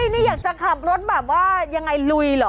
นี่อยากจะขับรถแบบว่ายังไงลุยเหรอ